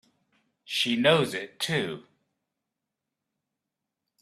She knows it too!